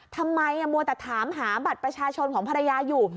ทำไมมัวแต่ถามหาบัตรประชาชนของภรรยาอยู่